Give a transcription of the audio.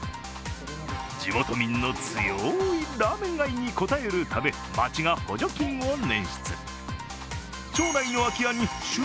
地元民の強いラーメン愛に応えるため、町が補助金を捻出。